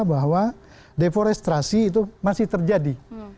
data bahwa deforestasi itu masih terjadi